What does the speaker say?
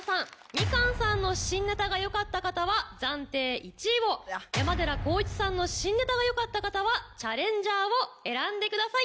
みかんさんの新ネタがよかった方は暫定１位を山寺宏一さんの新ネタがよかった方はチャレンジャーを選んでください。